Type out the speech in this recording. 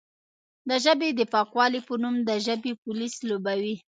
د ژبې د پاکوالې په نوم د ژبې پولیس لوبوي،